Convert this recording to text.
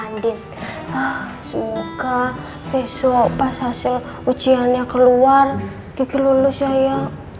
andin semoga besok pas hasil ujiannya keluar gitu lulus ya ya